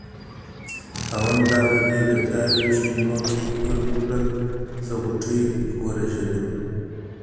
خاونده دا به دې رضا وي چې نور دې ګل کړل زه غوټۍ ورژېدمه